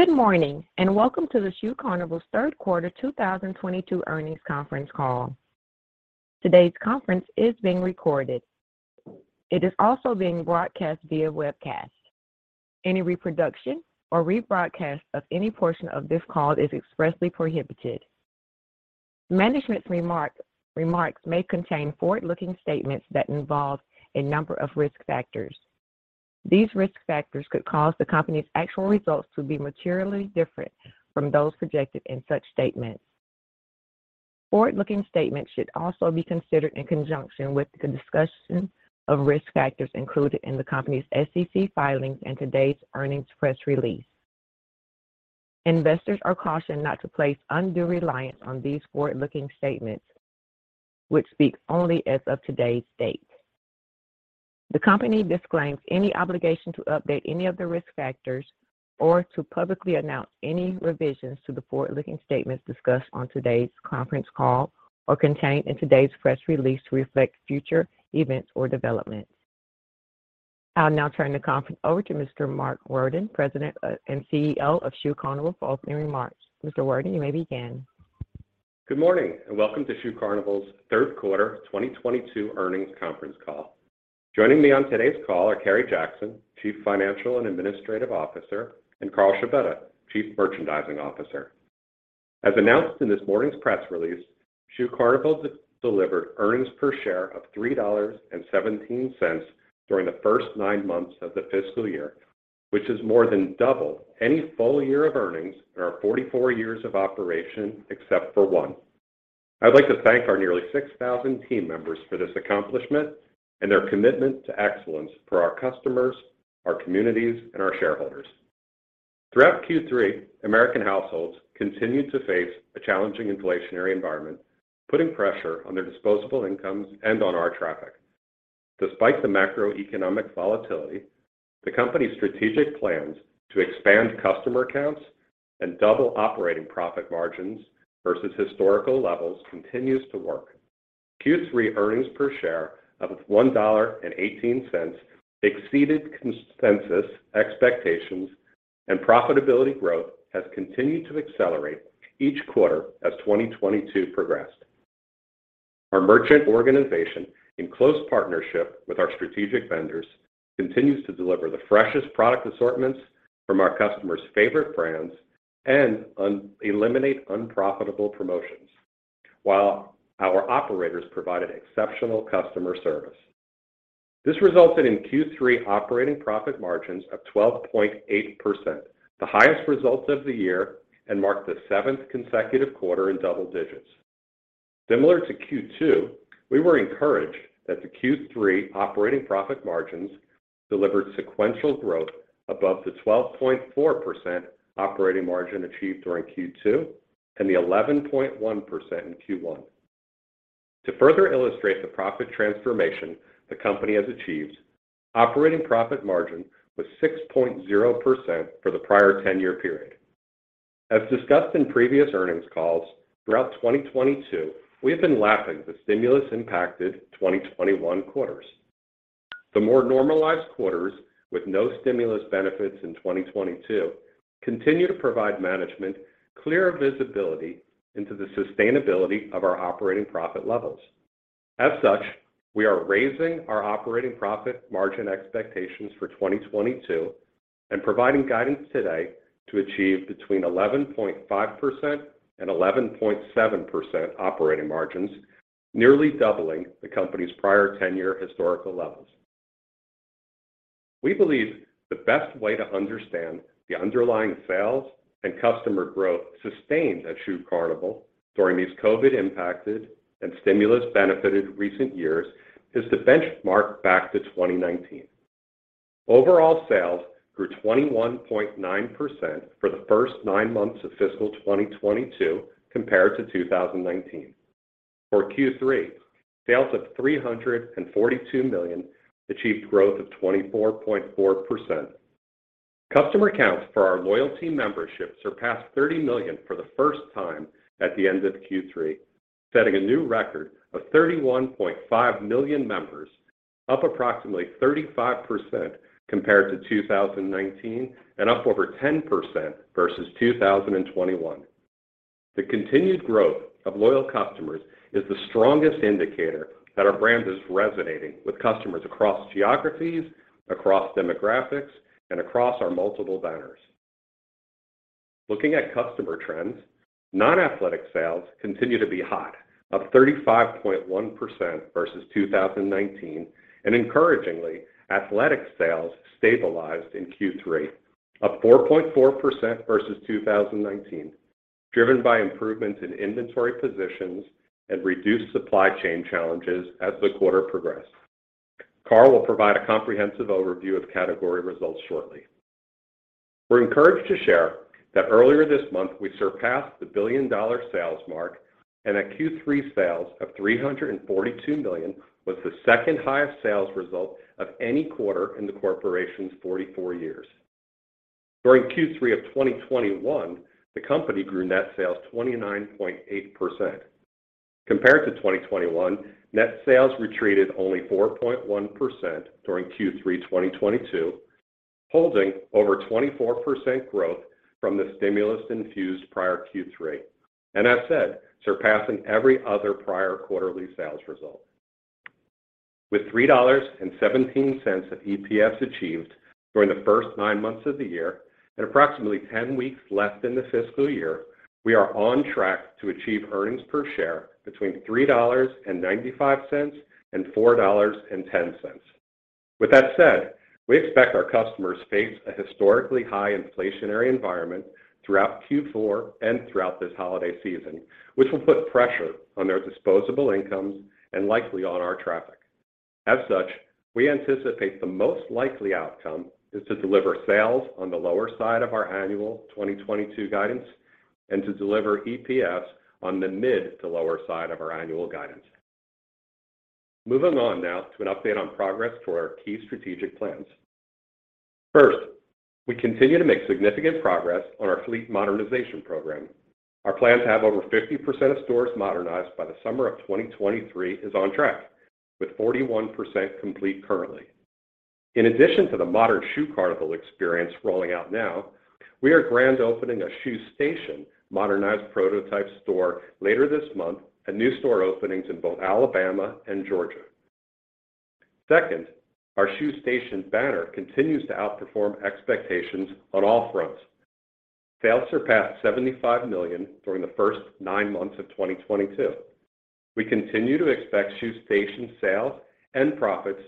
Good morning, and welcome to the Shoe Carnival's third quarter 2022 earnings conference call. Today's conference is being recorded. It is also being broadcast via webcast. Any reproduction or rebroadcast of any portion of this call is expressly prohibited. Management's remarks may contain forward-looking statements that involve a number of risk factors. These risk factors could cause the company's actual results to be materially different from those projected in such statements. Forward-looking statements should also be considered in conjunction with the discussion of risk factors included in the company's SEC filings and today's earnings press release. Investors are cautioned not to place undue reliance on these forward-looking statements, which speak only as of today's date. The company disclaims any obligation to update any of the risk factors or to publicly announce any revisions to the forward-looking statements discussed on today's conference call or contained in today's press release to reflect future events or developments. I'll now turn the conference over to Mr. Mark Worden, President and CEO of Shoe Carnival for opening remarks. Mr. Worden, you may begin. Good morning, and welcome to Shoe Carnival's third quarter 2022 earnings conference call. Joining me on today's call are Kerry Jackson, Chief Financial and Administrative Officer, and Carl Scibetta, Chief Merchandising Officer. As announced in this morning's press release, Shoe Carnival delivered earnings per share of $3.17 during the first nine months of the fiscal year, which is more than double any full year of earnings in our 44 years of operation, except for one. I'd like to thank our nearly 6,000 team members for this accomplishment and their commitment to excellence for our customers, our communities, and our shareholders. Throughout Q3, American households continued to face a challenging inflationary environment, putting pressure on their disposable incomes and on our traffic. Despite the macroeconomic volatility, the company's strategic plans to expand customer counts and double operating profit margins versus historical levels continues to work. Q3 EPS of $1.18 exceeded consensus expectations, and profitability growth has continued to accelerate each quarter as 2022 progressed. Our merchandising organization, in close partnership with our strategic vendors, continues to deliver the freshest product assortments from our customers' favorite brands and eliminate unprofitable promotions while our operators provided exceptional customer service. This resulted in Q3 operating profit margins of 12.8%, the highest results of the year, and marked the 7th consecutive quarter in double digits. Similar to Q2, we were encouraged that the Q3 operating profit margins delivered sequential growth above the 12.4% operating margin achieved during Q2 and the 11.1% in Q1. To further illustrate the profit transformation the company has achieved, operating profit margin was 6.0% for the prior 10-year period. As discussed in previous earnings calls, throughout 2022, we have been lapping the stimulus-impacted 2021 quarters. The more normalized quarters with no stimulus benefits in 2022 continue to provide management clear visibility into the sustainability of our operating profit levels. As such, we are raising our operating profit margin expectations for 2022 and providing guidance today to achieve between 11.5% and 11.7% operating margins, nearly doubling the company's prior ten-year historical levels. We believe the best way to understand the underlying sales and customer growth sustained at Shoe Carnival during these COVID-impacted and stimulus-benefited recent years is to benchmark back to 2019. Overall sales grew 21.9% for the first nine months of fiscal 2022 compared to 2019. For Q3, sales of $342 million achieved growth of 24.4%. Customer counts for our loyalty membership surpassed 30 million for the first time at the end of Q3, setting a new record of 31.5 million members, up approximately 35% compared to 2019 and up over 10% versus 2021. The continued growth of loyal customers is the strongest indicator that our brand is resonating with customers across geographies, across demographics, and across our multiple banners. Looking at customer trends, non-athletic sales continue to be hot, up 35.1% versus 2019. Encouragingly, athletic sales stabilized in Q3 up 4.4% versus 2019, driven by improvements in inventory positions and reduced supply chain challenges as the quarter progressed. Carl will provide a comprehensive overview of category results shortly. We're encouraged to share that earlier this month, we surpassed the billion-dollar sales mark, and that Q3 sales of $342 million was the second highest sales result of any quarter in the corporation's 44 years. During Q3 of 2021, the company grew net sales 29.8%. Compared to 2021, net sales retreated only 4.1% during Q3 2022, holding over 24% growth from the stimulus infused prior Q3, and as said, surpassing every other prior quarterly sales result. With $3.17 of EPS achieved during the first nine months of the year and approximately 10 weeks left in the fiscal year, we are on track to achieve earnings per share between $3.95 and $4.10. With that said, we expect our customers face a historically high inflationary environment throughout Q4 and throughout this holiday season, which will put pressure on their disposable incomes and likely on our traffic. As such, we anticipate the most likely outcome is to deliver sales on the lower side of our annual 2022 guidance and to deliver EPS on the mid to lower side of our annual guidance. Moving on now to an update on progress for our key strategic plans. First, we continue to make significant progress on our fleet modernization program. Our plan to have over 50% of stores modernized by the summer of 2023 is on track, with 41% complete currently. In addition to the modern Shoe Carnival experience rolling out now, we are grand opening a Shoe Station modernized prototype store later this month at new store openings in both Alabama and Georgia. Second, our Shoe Station banner continues to outperform expectations on all fronts. Sales surpassed $75 million during the first 9 months of 2022. We continue to expect Shoe Station sales and profits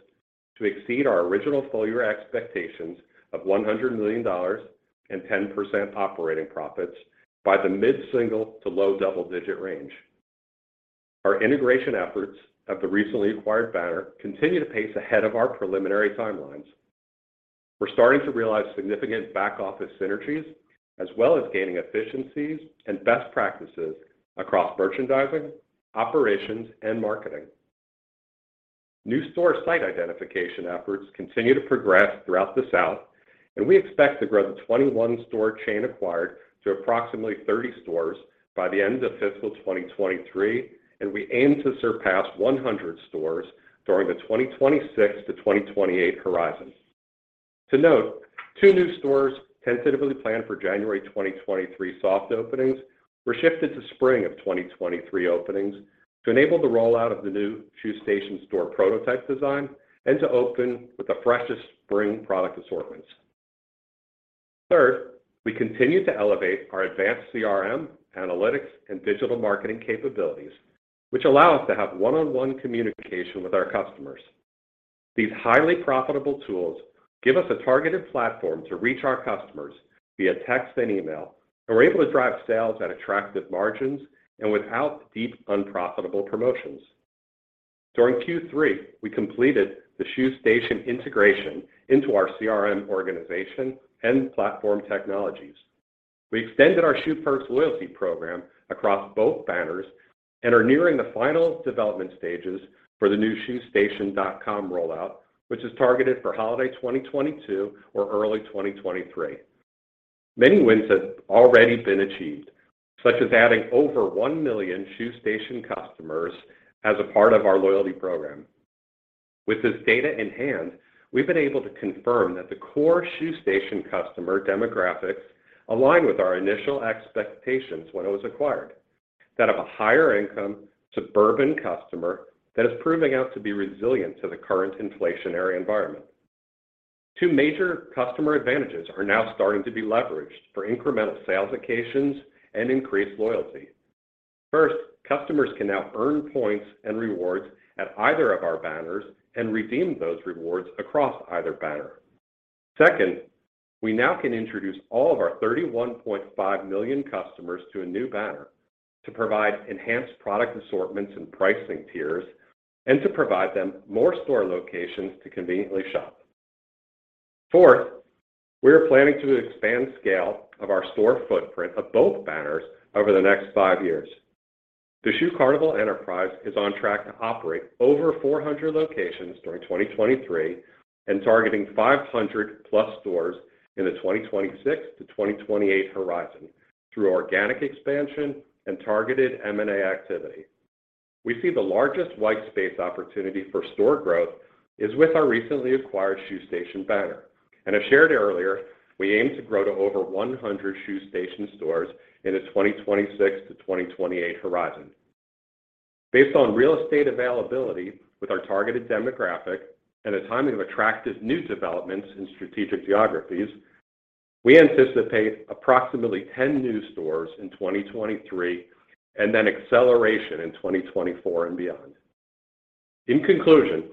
to exceed our original full-year expectations of $100 million and 10% operating profits by the mid-single to low double-digit range. Our integration efforts of the recently acquired banner continue to pace ahead of our preliminary timelines. We're starting to realize significant back-office synergies as well as gaining efficiencies and best practices across merchandising, operations, and marketing. New store site identification efforts continue to progress throughout the South, and we expect to grow the 21 store chain acquired to approximately 30 stores by the end of fiscal 2023, and we aim to surpass 100 stores during the 2026-2028 horizon. To note, two new stores tentatively planned for January 2023 soft openings were shifted to spring of 2023 openings to enable the rollout of the new Shoe Station store prototype design and to open with the freshest spring product assortments. Third, we continue to elevate our advanced CRM, analytics, and digital marketing capabilities, which allow us to have one-on-one communication with our customers. These highly profitable tools give us a targeted platform to reach our customers via text and email, and we're able to drive sales at attractive margins and without deep unprofitable promotions. During Q3, we completed the Shoe Station integration into our CRM organization and platform technologies. We extended our Shoe Perks loyalty program across both banners and are nearing the final development stages for the new shoestation.com rollout, which is targeted for holiday 2022 or early 2023. Many wins have already been achieved, such as adding over 1 million Shoe Station customers as a part of our loyalty program. With this data in hand, we've been able to confirm that the core Shoe Station customer demographics align with our initial expectations when it was acquired. That of a higher income suburban customer that is proving out to be resilient to the current inflationary environment. Two major customer advantages are now starting to be leveraged for incremental sales occasions and increased loyalty. First, customers can now earn points and rewards at either of our banners and redeem those rewards across either banner. Second, we now can introduce all of our 31.5 million customers to a new banner to provide enhanced product assortments and pricing tiers, and to provide them more store locations to conveniently shop. Fourth, we are planning to expand scale of our store footprint of both banners over the next five years. The Shoe Carnival enterprise is on track to operate over 400 locations during 2023 and targeting 500+ stores in the 2026-2028 horizon through organic expansion and targeted M&A activity. We see the largest white space opportunity for store growth is with our recently acquired Shoe Station banner. As shared earlier, we aim to grow to over 100 Shoe Station stores in the 2026 to 2028 horizon. Based on real estate availability with our targeted demographic and the timing of attractive new developments in strategic geographies, we anticipate approximately 10 new stores in 2023 and then acceleration in 2024 and beyond. In conclusion,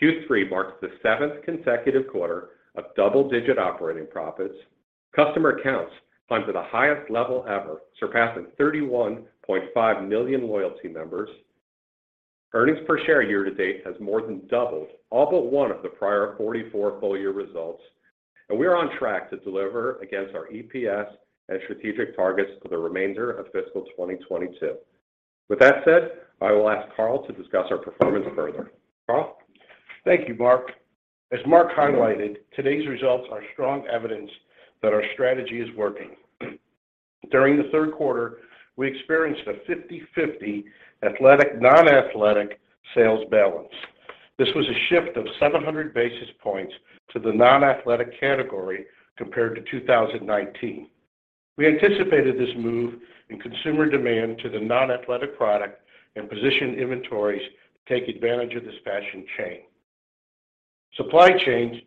Q3 marks the seventh consecutive quarter of double-digit operating profits. Customer counts climb to the highest level ever, surpassing 31.5 million loyalty members. Earnings per share year to date has more than doubled all but one of the prior 44 full-year results, and we are on track to deliver against our EPS and strategic targets for the remainder of fiscal 2022. With that said, I will ask Carl to discuss our performance further. Carl? Thank you, Mark. As Mark highlighted, today's results are strong evidence that our strategy is working. During the third quarter, we experienced a 50/50 athletic/non-athletic sales balance. This was a shift of 700 basis points to the non-athletic category compared to 2019. We anticipated this move in consumer demand to the non-athletic product and positioned inventories to take advantage of this fashion change.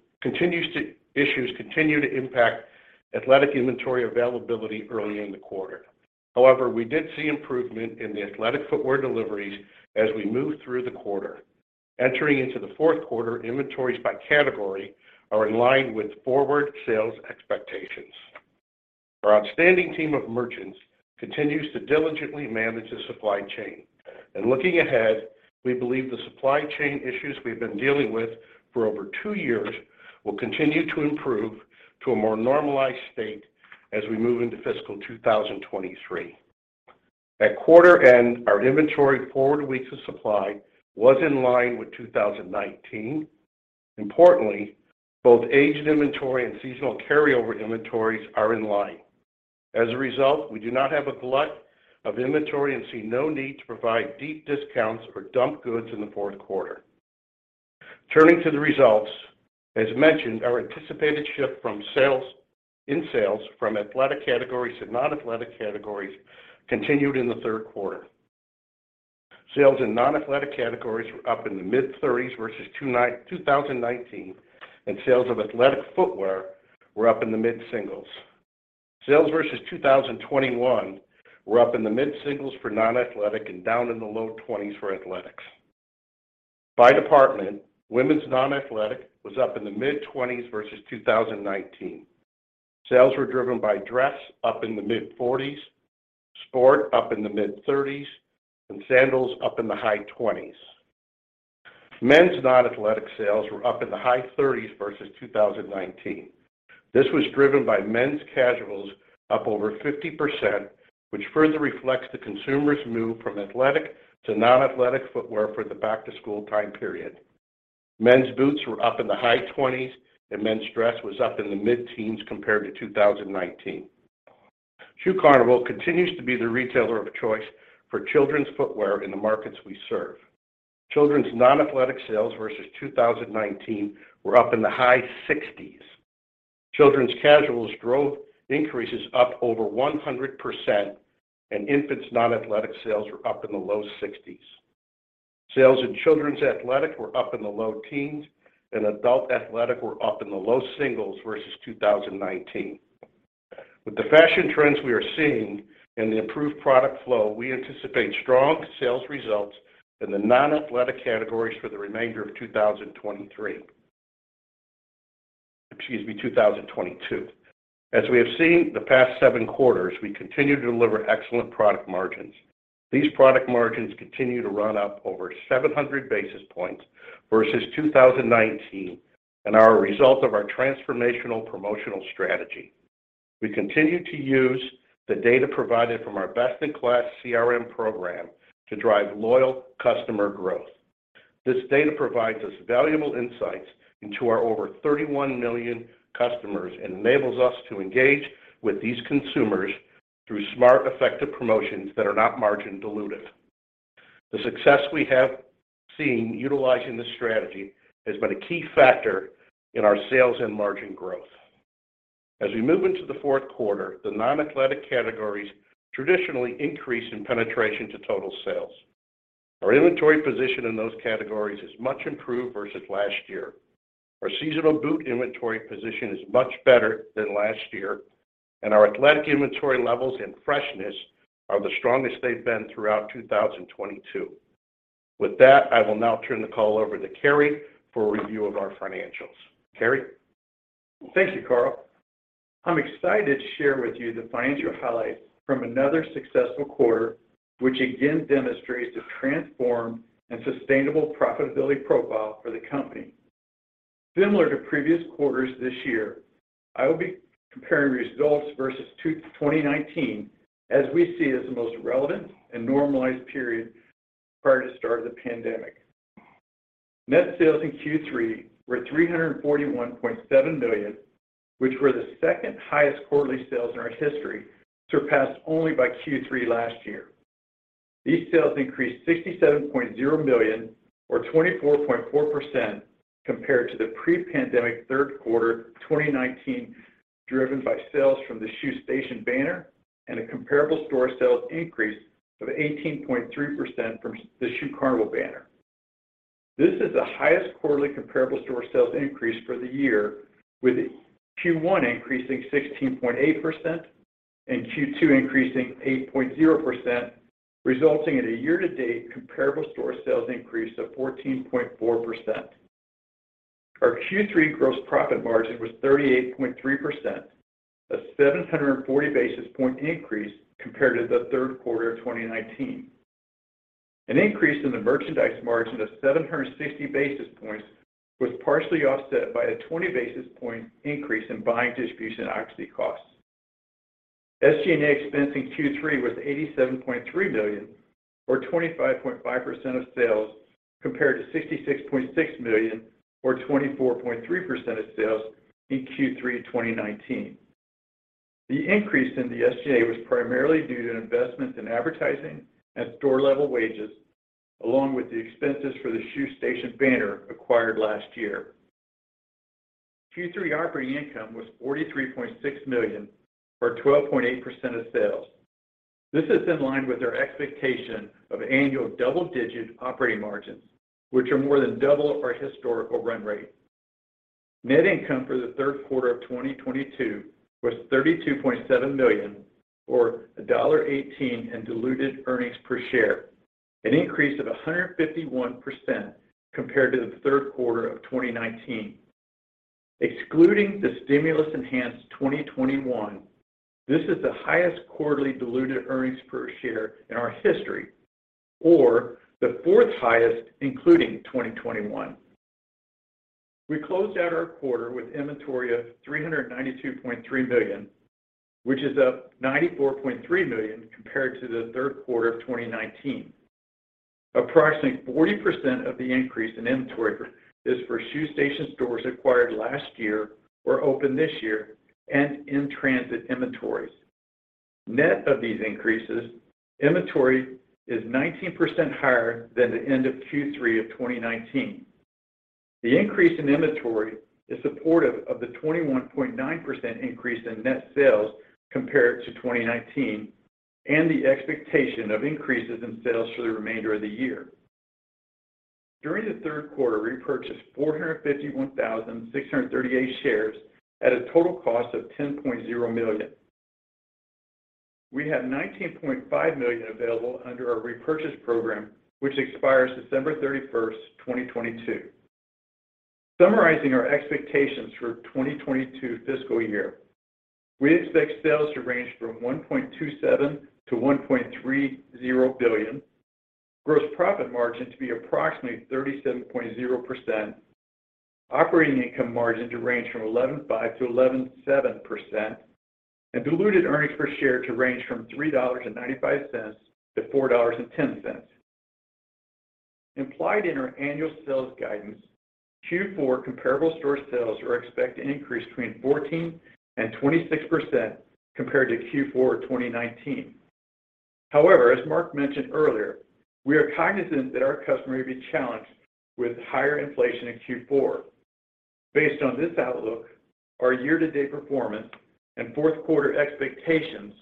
Issues continue to impact athletic inventory availability early in the quarter. However, we did see improvement in the athletic footwear deliveries as we moved through the quarter. Entering into the fourth quarter, inventories by category are in line with forward sales expectations. Our outstanding team of merchants continues to diligently manage the supply chain. Looking ahead, we believe the supply chain issues we've been dealing with for over two years will continue to improve to a more normalized state as we move into fiscal 2023. At quarter end, our inventory forward weeks of supply was in line with 2019. Importantly, both aged inventory and seasonal carryover inventories are in line. As a result, we do not have a glut of inventory and see no need to provide deep discounts or dump goods in the fourth quarter. Turning to the results, as mentioned, our anticipated shift in sales from athletic categories to non-athletic categories continued in the third quarter. Sales in non-athletic categories were up in the mid-30s% versus 2019, and sales of athletic footwear were up in the mid-single digits%. Sales versus 2021 were up in the mid-singles% for non-athletic and down in the low 20s% for athletic. By department, women's non-athletic was up in the mid-20s% versus 2019. Sales were driven by dress up in the mid-40s%, sport up in the mid-30s%, and sandals up in the high 20s%. Men's non-athletic sales were up in the high 30s% versus 2019. This was driven by men's casuals up over 50%, which further reflects the consumer's move from athletic to non-athletic footwear for the back-to-school time period. Men's boots were up in the high 20s%, and men's dress was up in the mid-teens% compared to 2019. Shoe Carnival continues to be the retailer of choice for children's footwear in the markets we serve. Children's non-athletic sales versus 2019 were up in the high 60s%. Children's casuals growth increased up over 100%, and infants non-athletic sales were up in the low 60s%. Sales in children's athletic were up in the low teens%, and adult athletic were up in the low single digits% versus 2019. With the fashion trends we are seeing and the improved product flow, we anticipate strong sales results in the non-athletic categories for the remainder of 2023. Excuse me, 2022. As we have seen the past 7 quarters, we continue to deliver excellent product margins. These product margins continue to run up over 700 basis points versus 2019 and are a result of our transformational promotional strategy. We continue to use the data provided from our best-in-class CRM program to drive loyal customer growth. This data provides us valuable insights into our over 31 million customers and enables us to engage with these consumers through smart, effective promotions that are not margin dilutive. The success we have seen utilizing this strategy has been a key factor in our sales and margin growth. As we move into the fourth quarter, the non-athletic categories traditionally increase in penetration to total sales. Our inventory position in those categories is much improved versus last year. Our seasonal boot inventory position is much better than last year, and our athletic inventory levels and freshness are the strongest they've been throughout 2022. With that, I will now turn the call over to Kerry for a review of our financials. Kerry? Thank you, Carl. I'm excited to share with you the financial highlights from another successful quarter, which again demonstrates the transformed and sustainable profitability profile for the company. Similar to previous quarters this year, I will be comparing results versus 2019 as we see as the most relevant and normalized period prior to start of the pandemic. Net sales in Q3 were $341.7 million, which were the second highest quarterly sales in our history, surpassed only by Q3 last year. These sales increased $67.0 million or 24.4% compared to the pre-pandemic third quarter 2019, driven by sales from the Shoe Station banner and a comparable store sales increase of 18.3% from the Shoe Carnival banner. This is the highest quarterly comparable store sales increase for the year, with Q1 increasing 16.8% and Q2 increasing 8.0%, resulting in a year-to-date comparable store sales increase of 14.4%. Our Q3 gross profit margin was 38.3%, a 740 basis point increase compared to the third quarter of 2019. An increase in the merchandise margin of 760 basis points was partially offset by a 20 basis point increase in buying distribution and occupancy costs. SG&A expense in Q3 was $87.3 million, or 25.5% of sales, compared to $66.6 million, or 24.3% of sales in Q3 2019. The increase in the SG&A was primarily due to investments in advertising and store-level wages, along with the expenses for the Shoe Station banner acquired last year. Q3 operating income was $43.6 million, or 12.8% of sales. This is in line with our expectation of annual double-digit operating margins, which are more than double our historical run rate. Net income for the third quarter of 2022 was $32.7 million, or $1.18 in diluted earnings per share, an increase of 151% compared to the third quarter of 2019. Excluding the stimulus-enhanced 2021, this is the highest quarterly diluted earnings per share in our history, or the fourth highest including 2021. We closed out our quarter with inventory of $392.3 million, which is up $94.3 million compared to the third quarter of 2019. Approximately 40% of the increase in inventory is for Shoe Station stores acquired last year or opened this year and in-transit inventories. Net of these increases, inventory is 19% higher than the end of Q3 of 2019. The increase in inventory is supportive of the 21.9% increase in net sales compared to 2019 and the expectation of increases in sales for the remainder of the year. During the third quarter, we repurchased 451,638 shares at a total cost of $10.0 million. We have $19.5 million available under our repurchase program, which expires December 31, 2022. Summarizing our expectations for 2022 fiscal year, we expect sales to range from $1.27 billion-$1.30 billion, gross profit margin to be approximately 37.0%, operating income margin to range from 11.5%-11.7%, and diluted earnings per share to range from $3.95-$4.10. Implied in our annual sales guidance, Q4 comparable store sales are expected to increase between 14% and 26% compared to Q4 2019. However, as Mark mentioned earlier, we are cognizant that our customer may be challenged with higher inflation in Q4. Based on this outlook, our year-to-date performance, and fourth quarter expectations,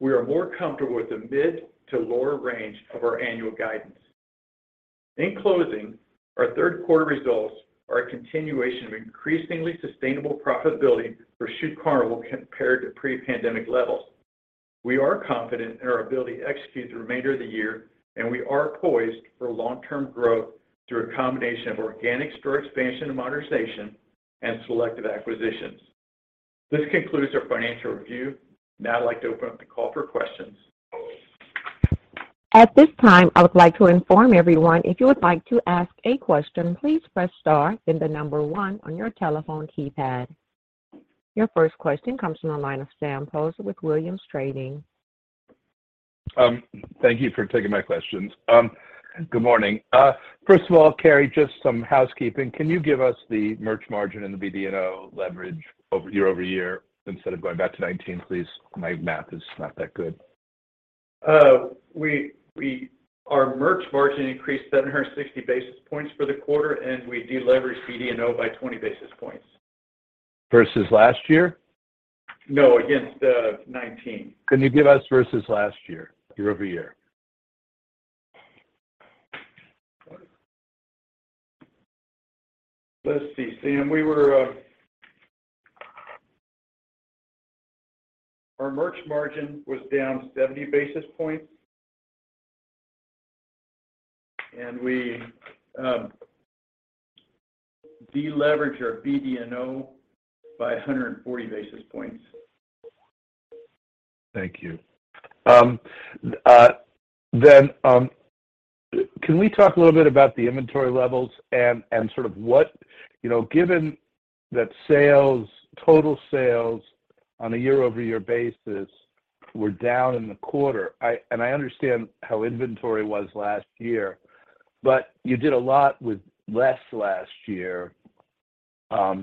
we are more comfortable with the mid- to lower range of our annual guidance. In closing, our third quarter results are a continuation of increasingly sustainable profitability for Shoe Carnival compared to pre-pandemic levels. We are confident in our ability to execute the remainder of the year, and we are poised for long-term growth through a combination of organic store expansion and modernization and selective acquisitions. This concludes our financial review. Now I'd like to open up the call for questions. At this time, I would like to inform everyone if you would like to ask a question, please press star, then the number one on your telephone keypad. Your first question comes from the line of Sam Poser with Williams Trading. Thank you for taking my questions. Good morning. First of all, Kerry, just some housekeeping. Can you give us the merch margin and the BD&O leverage year-over-year instead of going back to 2019, please? My math is not that good. Our merch margin increased 760 basis points for the quarter, and we deleveraged BD&O by 20 basis points. Versus last year? No, against 19. Can you give us versus last year-over-year? Let's see, Sam. Our merch margin was down 70 basis points. We deleveraged our BD&O by 140 basis points. Thank you. Can we talk a little bit about the inventory levels and sort of what you know, given that sales, total sales on a year-over-year basis were down in the quarter. I understand how inventory was last year, but you did a lot with less last year. What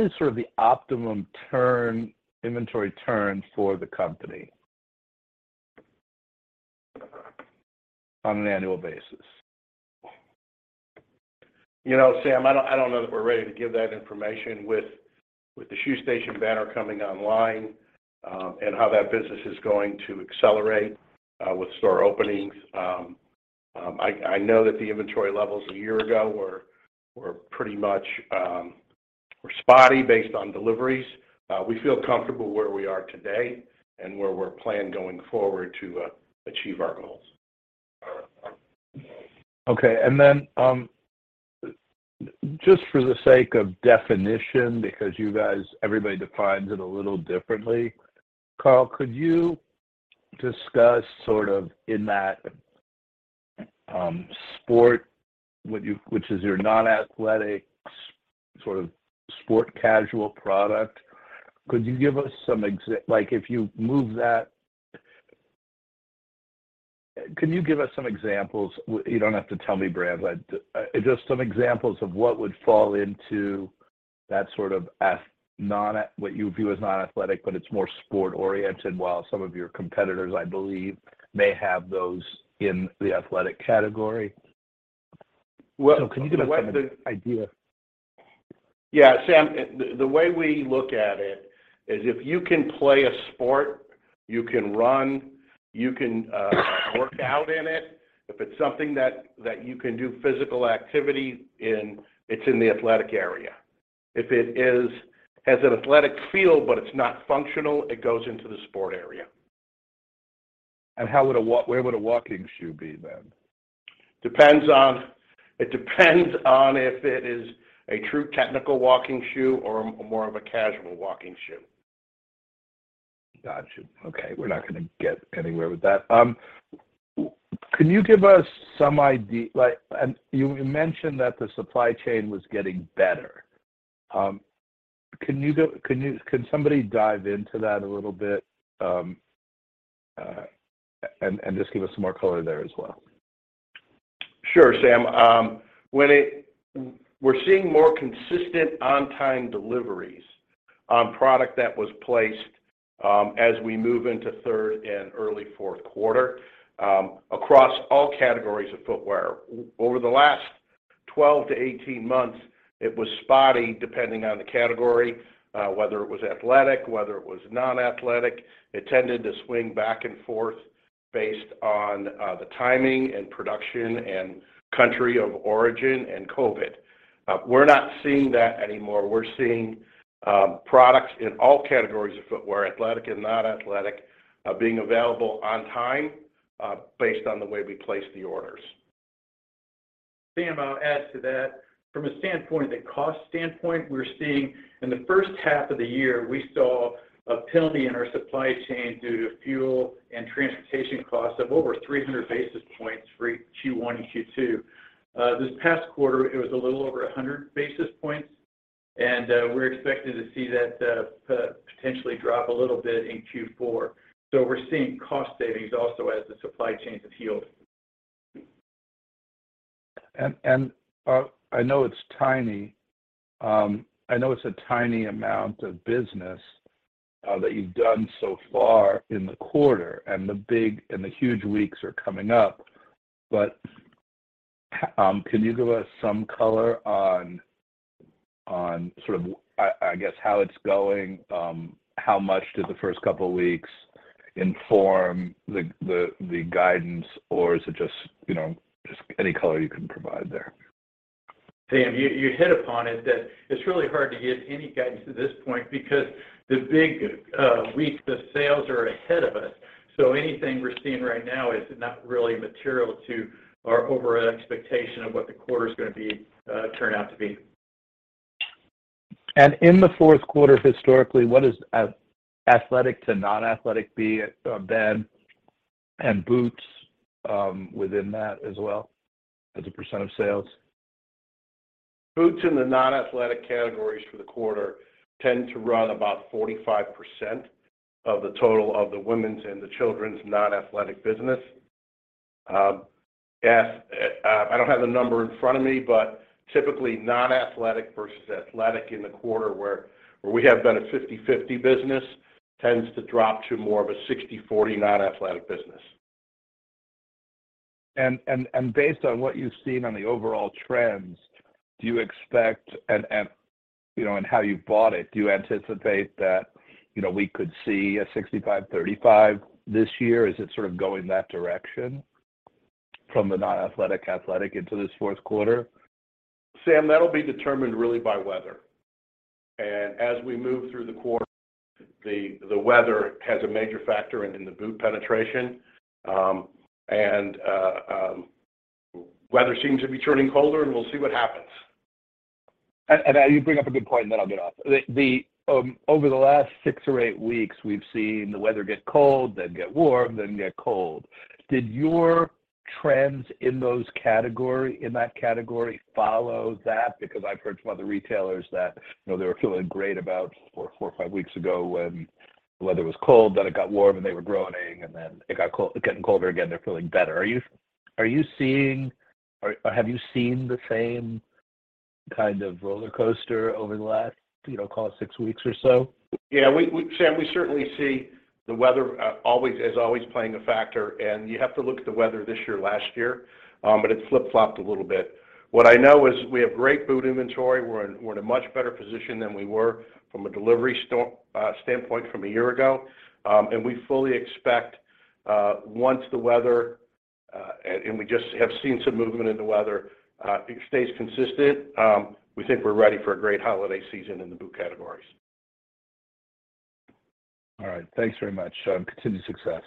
is sort of the optimum turn, inventory turn for the company on an annual basis? You know, Sam, I don't know that we're ready to give that information with the Shoe Station banner coming online, and how that business is going to accelerate with store openings. I know that the inventory levels a year ago were pretty much spotty based on deliveries. We feel comfortable where we are today and where we're planning going forward to achieve our goals. Okay. Just for the sake of definition, because you guys, everybody defines it a little differently. Carl, could you discuss sort of in that sport, which is your non-athletic sort of sport casual product. Could you give us some examples? You don't have to tell me brands, but just some examples of what would fall into that sort of non-athletic, but it's more sport-oriented, while some of your competitors, I believe, may have those in the athletic category. Well- Can you give us some idea? Yeah. Sam, the way we look at it is if you can play a sport, you can run, you can work out in it. If it's something that you can do physical activity in, it's in the athletic area. If it has an athletic feel but it's not functional, it goes into the sport area. Where would a walking shoe be then? It depends on if it is a true technical walking shoe or more of a casual walking shoe. Got you. Okay. We're not gonna get anywhere with that. Can you give us some like, and you mentioned that the supply chain was getting better. Can somebody dive into that a little bit, and just give us some more color there as well? Sure, Sam. We're seeing more consistent on-time deliveries on product that was placed, as we move into third and early fourth quarter, across all categories of footwear. Over the last 12-18 months, it was spotty depending on the category, whether it was athletic, whether it was non-athletic. It tended to swing back and forth based on the timing and production and country of origin and COVID. We're not seeing that anymore. We're seeing products in all categories of footwear, athletic and non-athletic, being available on time, based on the way we place the orders. Sam, I'll add to that. From a cost standpoint, we're seeing in the first half of the year, we saw a penalty in our supply chain due to fuel and transportation costs of over 300 basis points for Q1 and Q2. This past quarter it was a little over 100 basis points. We're expecting to see that potentially drop a little bit in Q4. We're seeing cost savings also as the supply chains have healed. I know it's tiny. I know it's a tiny amount of business that you've done so far in the quarter, and the big and the huge weeks are coming up. Can you give us some color on sort of, I guess, how it's going? How much did the first couple weeks inform the guidance? Or is it just, you know. Just any color you can provide there. Sam, you hit upon it that it's really hard to give any guidance at this point because the big weeks of sales are ahead of us. So anything we're seeing right now is not really material to our overall expectation of what the quarter is gonna be turn out to be. In the fourth quarter historically, what is athletic to non-athletic, banner, and boots within that as well as a percentage of sales? Boots in the non-athletic categories for the quarter tend to run about 45% of the total of the women's and the children's non-athletic business. I don't have the number in front of me, but typically non-athletic versus athletic in the quarter where we have been a 50/50 business tends to drop to more of a 60/40 non-athletic business. Based on what you've seen on the overall trends, do you expect and you know, and how you've bought it, do you anticipate that, you know, we could see a 65-35 this year? Is it sort of going that direction from the non-athletic, athletic into this fourth quarter? Sam, that'll be determined really by weather. As we move through the quarter, the weather has a major factor in the boot penetration. Weather seems to be turning colder, and we'll see what happens. You bring up a good point, and then I'll get off. Over the last 6 or 8 weeks, we've seen the weather get cold, then get warm, then get cold. Did your trends in that category follow that? Because I've heard from other retailers that, you know, they were feeling great about 4 or 5 weeks ago when the weather was cold. Then it got warm, and they were groaning, and then it got cold. It's getting colder again, they're feeling better. Are you seeing or have you seen the same kind of roller coaster over the last, you know, call it 6 weeks or so? Yeah. Sam, we certainly see the weather, always, as always playing a factor. You have to look at the weather this year, last year, but it flip-flopped a little bit. What I know is we have great boot inventory. We're in a much better position than we were from a standpoint from a year ago. We fully expect, once the weather and we just have seen some movement in the weather, it stays consistent, we think we're ready for a great holiday season in the boot categories. All right. Thanks very much. Continued success.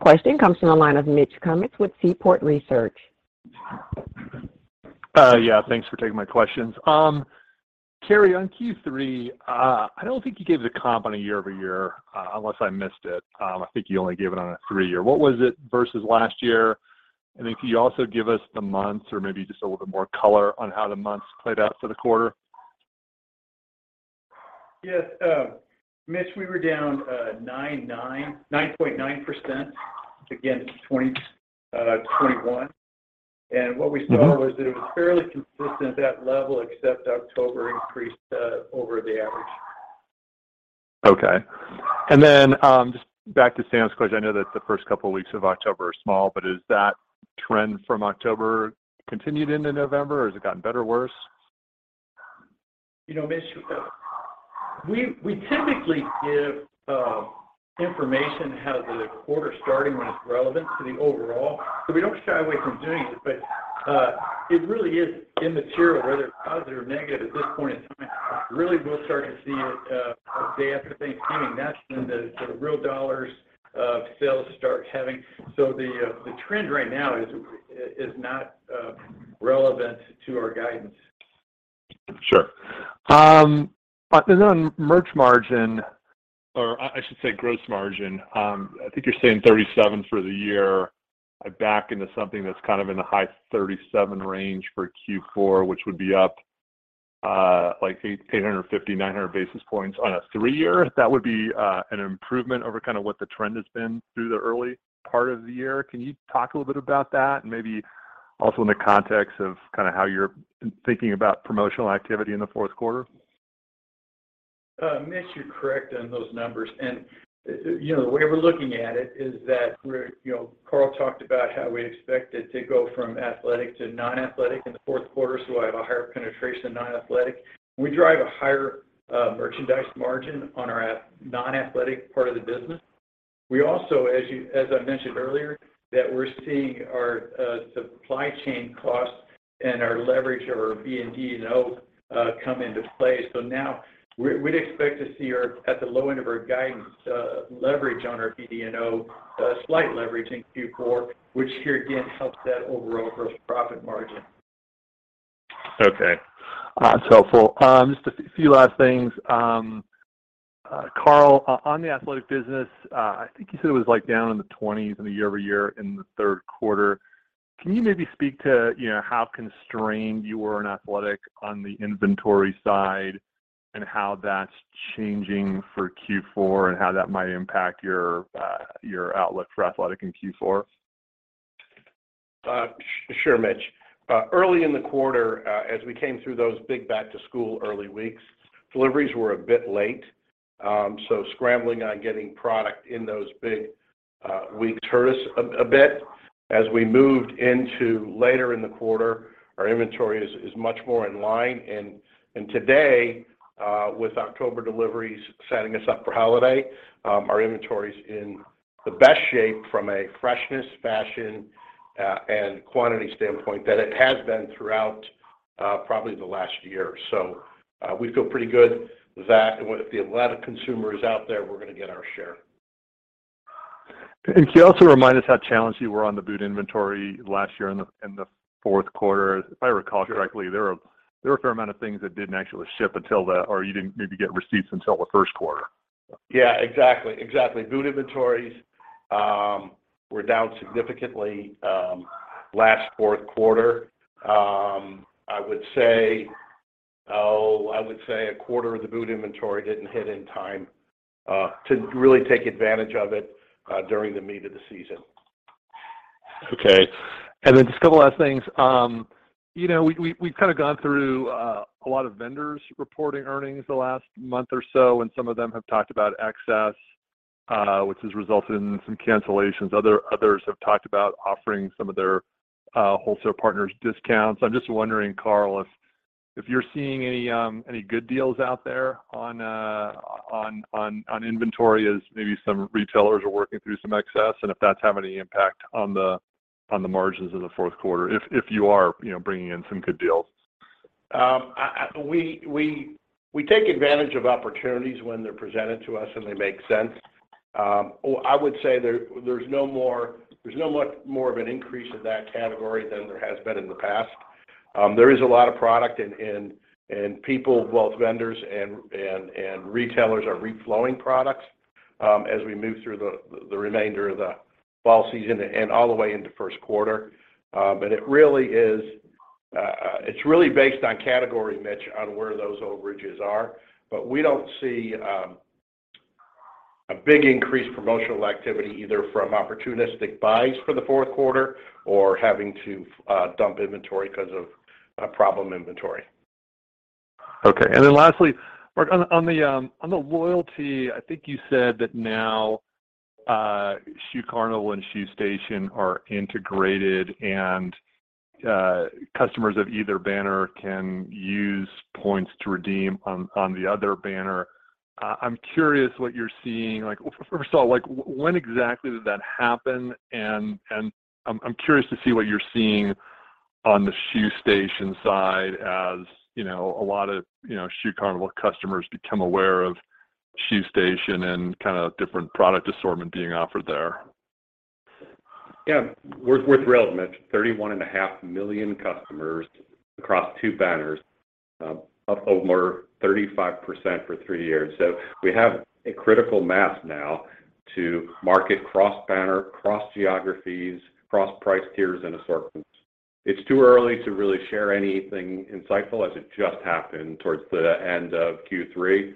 Question comes from the line of Mitch Kummetz with Seaport Research. Yeah, thanks for taking my questions. Kerry, on Q3, I don't think you gave the comp on a year-over-year, unless I missed it. I think you only gave it on a three-year. What was it versus last year? If you also give us the months or maybe just a little bit more color on how the months played out for the quarter. Yes, Mitch, we were down 9.9% against 2020, 2021. What we saw was that it was fairly consistent at that level except October increased over the average. Okay. Just back to Sam's question. I know that the first couple weeks of October are small, but has that trend from October continued into November, or has it gotten better or worse? You know, Mitch, we typically give information how the quarter's starting when it's relevant to the overall. We don't shy away from doing it, but it really is immaterial, whether it's positive or negative at this point in time. Really, we'll start to see it day after Thanksgiving. That's when the real dollars of sales start having. The trend right now is not relevant to our guidance. Sure. And then on merch margin, or I should say gross margin, I think you're saying 37% for the year. I back into something that's kind of in the high 37 range for Q4, which would be up, like 850-900 basis points on a three-year. That would be an improvement over kind of what the trend has been through the early part of the year. Can you talk a little bit about that and maybe also in the context of kinda how you're thinking about promotional activity in the fourth quarter? Mitch, you're correct on those numbers. You know, the way we're looking at it is that we're, you know, Carl talked about how we expected to go from athletic to non-athletic in the fourth quarter, so we'll have a higher penetration in non-athletic. We drive a higher merchandise margin on our non-athletic part of the business. We also, as I mentioned earlier, that we're seeing our supply chain costs and our leverage of our BD&O come into play. Now we'd expect to see our, at the low end of our guidance, leverage on our BD&O, slight leverage in Q4, which here again helps that overall gross profit margin. Okay. That's helpful. Just a few last things. Carl, on the athletic business, I think you said it was, like, down in the twenties in the year-over-year in the third quarter. Can you maybe speak to, you know, how constrained you were in athletic on the inventory side and how that's changing for Q4 and how that might impact your your outlook for athletic in Q4? Sure, Mitch. Early in the quarter, as we came through those big back-to-school early weeks, deliveries were a bit late, so scrambling on getting product in those big weeks hurt us a bit. As we moved into later in the quarter, our inventory is much more in line. Today, with October deliveries setting us up for holiday, our inventory's in the best shape from a freshness, fashion, and quantity standpoint than it has been throughout probably the last year. We feel pretty good with that. With the athletic consumers out there, we're gonna get our share. Can you also remind us how challenged you were on the boots inventory last year in the fourth quarter? If I recall correctly. Sure There were a fair amount of things that didn't actually ship until or you didn't maybe get receipts until the first quarter. Yeah, exactly. Boot inventories were down significantly last fourth quarter. I would say a quarter of the boot inventory didn't hit in time to really take advantage of it during the meat of the season. Okay. Just a couple last things. You know, we've kind of gone through a lot of vendors reporting earnings the last month or so, and some of them have talked about excess which has resulted in some cancellations. Others have talked about offering some of their wholesale partners discounts. I'm just wondering, Carl, if you're seeing any good deals out there on inventory as maybe some retailers are working through some excess and if that's having any impact on the margins in the fourth quarter if you are, you know, bringing in some good deals. We take advantage of opportunities when they're presented to us and they make sense. I would say there's no more of an increase in that category than there has been in the past. There is a lot of product and people, both vendors and retailers are reflowing products, as we move through the remainder of the fall season and all the way into first quarter. It's really based on category, Mitch, on where those overages are. We don't see a big increase in promotional activity either from opportunistic buys for the fourth quarter or having to dump inventory 'cause of problem inventory. Okay. Lastly, on the loyalty, I think you said that now Shoe Carnival and Shoe Station are integrated and customers of either banner can use points to redeem on the other banner. I'm curious what you're seeing. Like first of all, like when exactly did that happen? I'm curious to see what you're seeing on the Shoe Station side as you know a lot of you know Shoe Carnival customers become aware of Shoe Station and kinda different product assortment being offered there. Yeah. We're thrilled. 31.5 million customers across two banners, up over 35% for 3 years. We have a critical mass now to market cross-banner, cross geographies, cross price tiers and assortments. It's too early to really share anything insightful as it just happened towards the end of Q3.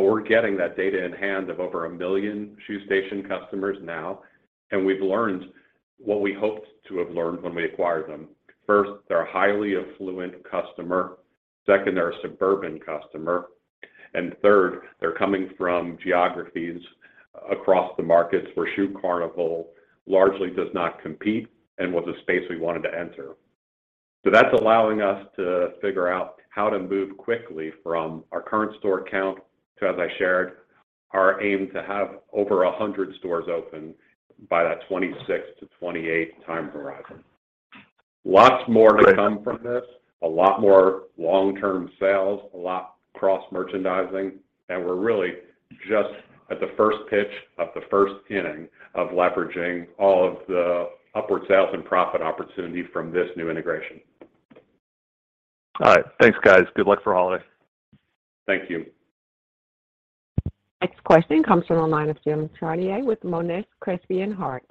We're getting that data in hand of over 1 million Shoe Station customers now, and we've learned what we hoped to have learned when we acquired them. First, they're a highly affluent customer. Second, they're a suburban customer. Third, they're coming from geographies across the markets where Shoe Carnival largely does not compete and was a space we wanted to enter. That's allowing us to figure out how to move quickly from our current store count to, as I shared, our aim to have over 100 stores open by that 2026 to 2028 time horizon. Lots more to come from this. A lot more long-term sales, a lot cross-merchandising. We're really just at the first pitch of the first inning of leveraging all of the upward sales and profit opportunity from this new integration. All right. Thanks, guys. Good luck for holidays. Thank you. Next question comes from the line of Jim Chartier with Monness, Crespi, Hardt.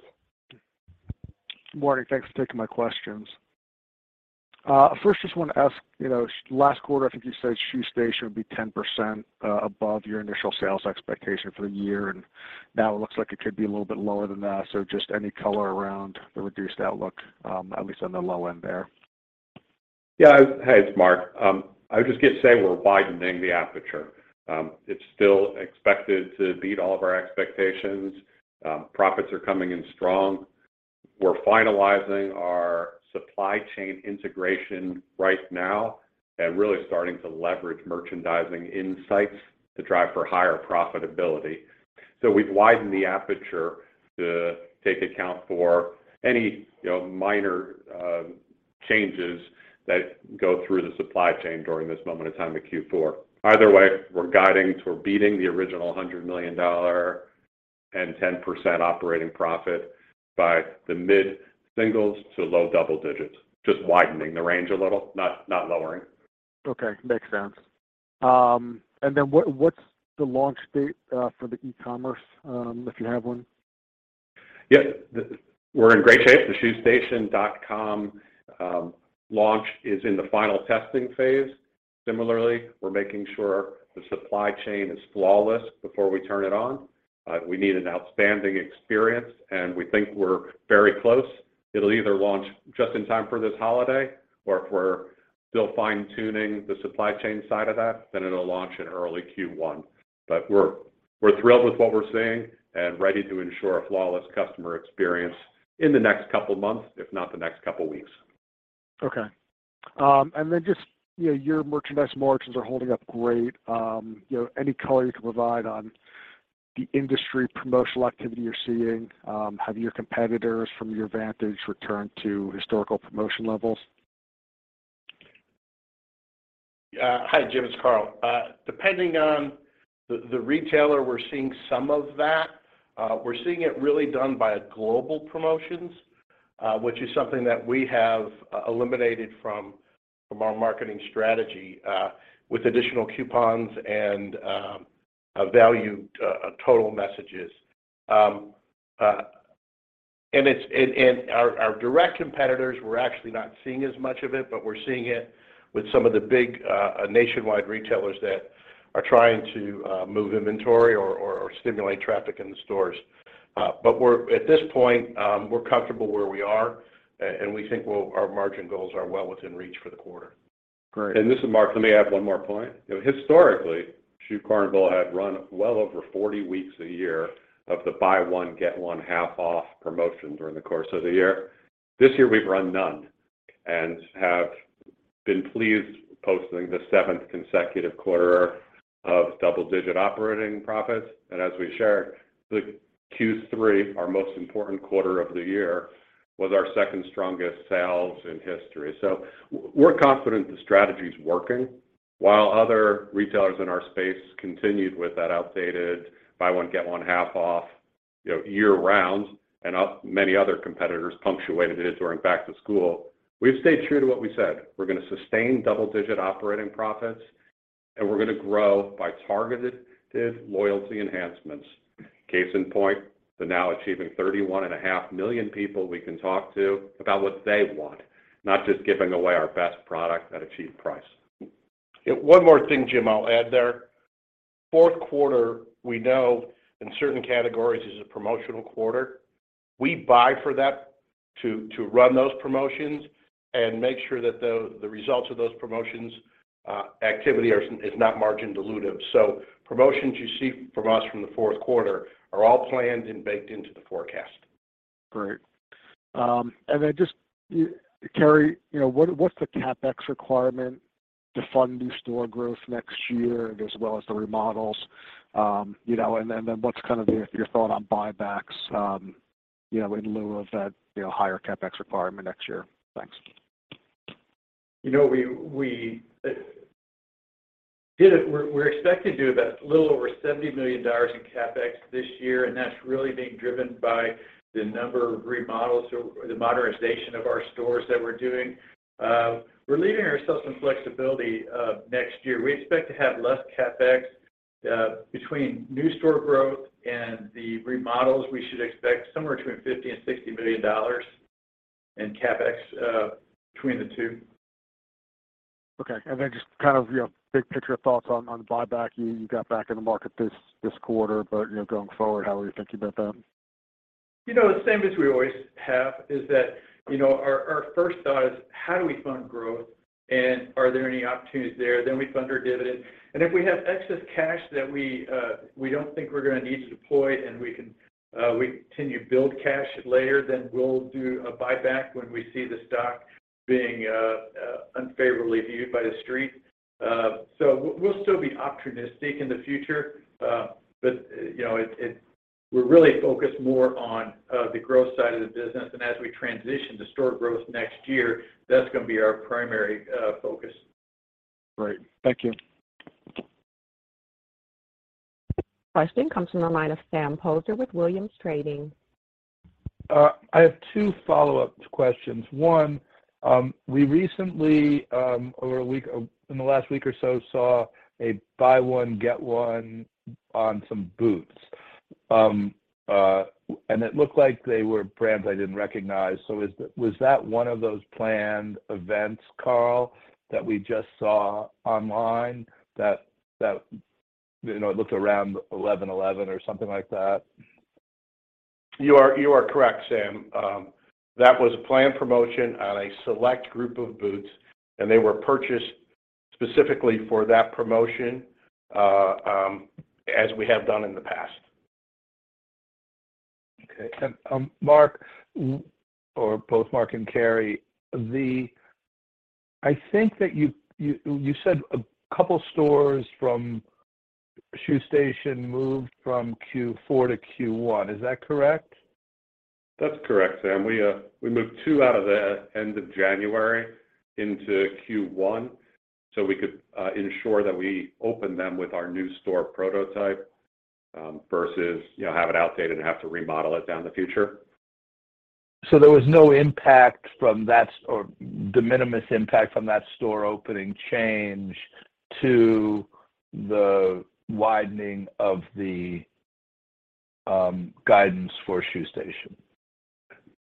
Good morning. Thanks for taking my questions. First, just want to ask, you know, last quarter, I think you said Shoe Station would be 10% above your initial sales expectation for the year, and now it looks like it could be a little bit lower than that. Just any color around the reduced outlook, at least on the low end there. Yeah. Hey, it's Mark. I would just say we're widening the aperture. It's still expected to beat all of our expectations. Profits are coming in strong. We're finalizing our supply chain integration right now and really starting to leverage merchandising insights to drive for higher profitability. We've widened the aperture to take account for any, you know, minor changes that go through the supply chain during this moment in time in Q4. Either way, we're guiding toward beating the original $100 million and 10% operating profit by the mid-singles to low double digits. Just widening the range a little, not lowering. Okay. Makes sense. What's the launch date for the e-commerce, if you have one? Yeah. We're in great shape. The shoestation.com launch is in the final testing phase. Similarly, we're making sure the supply chain is flawless before we turn it on. We need an outstanding experience, and we think we're very close. It'll either launch just in time for this holiday, or if we're still fine-tuning the supply chain side of that, then it'll launch in early Q1. We're thrilled with what we're seeing and ready to ensure a flawless customer experience in the next couple months, if not the next couple weeks. Okay. Just, you know, your merchandise margins are holding up great. You know, any color you can provide on the industry promotional activity you're seeing? Have your competitors from your vantage returned to historical promotion levels? Hi, Jim, it's Carl. Depending on the retailer, we're seeing some of that. We're seeing it really done by global promotions, which is something that we have eliminated from our marketing strategy with additional coupons and value total messages. Our direct competitors, we're actually not seeing as much of it, but we're seeing it with some of the big nationwide retailers that are trying to move inventory or stimulate traffic in the stores. At this point, we're comfortable where we are and we think our margin goals are well within reach for the quarter. Great. This is Mark. Let me add 1 more point. You know, historically, Shoe Carnival had run well over 40 weeks a year of the buy one, get one half off promotion during the course of the year. This year, we've run none and have been pleased posting the seventh consecutive quarter of double-digit operating profits. As we shared, the Q3, our most important quarter of the year, was our second strongest sales in history. We're confident the strategy is working while other retailers in our space continued with that outdated buy one, get one half off, you know, year-round. Many other competitors punctuated it during back to school. We've stayed true to what we said. We're gonna sustain double-digit operating profits, and we're gonna grow by targeted loyalty enhancements. Case in point, they're now achieving 31.5 million people we can talk to about what they want, not just giving away our best product at a cheap price. One more thing, Jim, I'll add there. Fourth quarter, we know in certain categories is a promotional quarter. We buy for that to run those promotions and make sure that the results of those promotions activity is not margin dilutive. Promotions you see from us from the fourth quarter are all planned and baked into the forecast. Great. Just, Kerry, you know, what's the CapEx requirement to fund new store growth next year as well as the remodels? You know, then what's kind of your thought on buybacks, you know, in lieu of that, you know, higher CapEx requirement next year? Thanks. You know, we did it. We're expected to do about a little over $70 million in CapEx this year, and that's really being driven by the number of remodels or the modernization of our stores that we're doing. We're leaving ourselves some flexibility next year. We expect to have less CapEx. Between new store growth and the remodels, we should expect somewhere between $50 million and $60 million in CapEx between the two. Okay. Just kind of, you know, big picture thoughts on the buyback. You got back in the market this quarter, but, you know, going forward, how are you thinking about that? You know, the same as we always have is that, you know, our first thought is how do we fund growth, and are there any opportunities there? Then we fund our dividend. If we have excess cash that we don't think we're gonna need to deploy and we can continue to build cash later, then we'll do a buyback when we see the stock being unfavorably viewed by the street. We'll still be opportunistic in the future. You know, we're really focused more on the growth side of the business. As we transition to store growth next year, that's gonna be our primary focus. Great. Thank you. Question comes from the line of Sam Poser with Williams Trading. I have two follow-up questions. One, we recently in the last week or so saw a buy one get one on some boots, and it looked like they were brands I didn't recognize. Was that one of those planned events, Carl, that we just saw online that you know it looked around 11/11 or something like that? You are correct, Sam. That was a planned promotion on a select group of boots, and they were purchased specifically for that promotion, as we have done in the past. Okay. Mark, or both Mark and Kerry, I think that you said a couple stores from Shoe Station moved from Q4 to Q1. Is that correct? That's correct, Sam. We moved two at the end of January into Q1, so we could ensure that we open them with our new store prototype versus, you know, have it outdated and have to remodel it in the future. There was no impact from that or de minimis impact from that store opening change to the widening of the guidance for Shoe Station?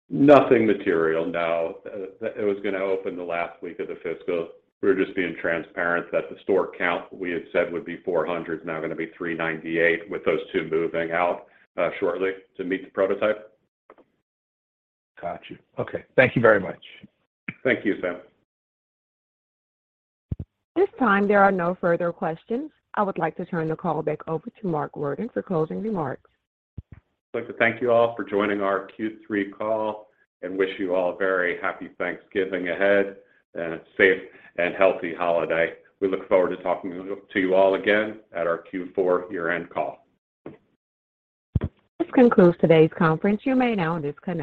Nothing material, no. It was gonna open the last week of the fiscal. We were just being transparent that the store count we had said would be 400 is now gonna be 398 with those two moving out shortly to meet the prototype. Got you. Okay. Thank you very much. Thank you, Sam. At this time, there are no further questions. I would like to turn the call back over to Mark Worden for closing remarks. I'd like to thank you all for joining our Q3 call and wish you all a very happy Thanksgiving ahead and a safe and healthy holiday. We look forward to talking to you all again at our Q4 year-end call. This concludes today's conference. You may now disconnect.